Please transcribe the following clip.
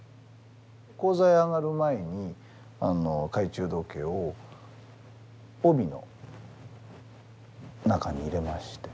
高座へ上がる前に懐中時計を帯の中に入れまして。